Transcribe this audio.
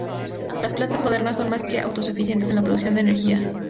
Las plantas modernas son más que autosuficientes en la producción de energía.